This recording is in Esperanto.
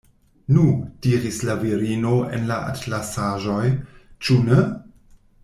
Nu, diris la virino en la atlasaĵoj, ĉu ne?